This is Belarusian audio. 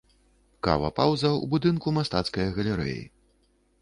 Кава-пауза ў будынку мастацкае галерэі.